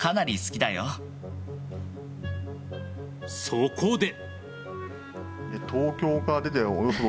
そこで。